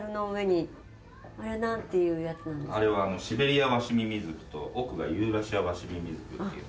あれはシベリアワシミミズクと奥がユーラシアワシミミズクっていうんですけれども。